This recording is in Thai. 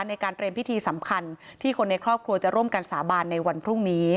ในการเตรียมพิธีสำคัญที่คนในครอบครัวจะร่วมกันสาบานในวันพรุ่งนี้